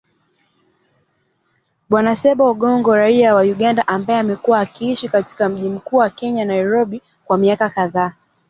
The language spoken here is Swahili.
Bwana Ssebbo Ogongo raia wa Uganda ambaye amekuwa akiishi katika mji mkuu wa Kenya Nairobi kwa miaka kadhaa